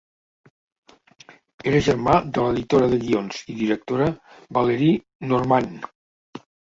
Era germà de l'editora de guions i directora Valerie Norman.